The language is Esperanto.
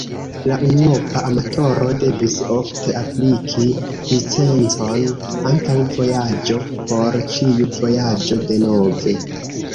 La unuopa amatoro devis ofte apliki licencon antaŭ vojaĝo, por ĉiu vojaĝo denove.